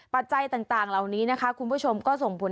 ปัจจัยต่างเหล่านี้นะคะคุณผู้ชมก็ส่งผล